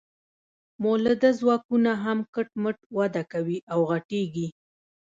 مؤلده ځواکونه هم کټ مټ وده کوي او غټیږي.